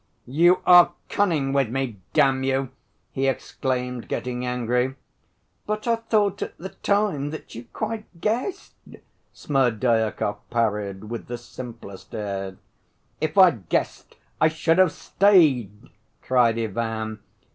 "You are cunning with me, damn you!" he exclaimed, getting angry. "But I thought at the time that you quite guessed," Smerdyakov parried with the simplest air. "If I'd guessed, I should have stayed," cried Ivan.